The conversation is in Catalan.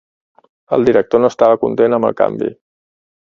El director no estava content amb el canvi.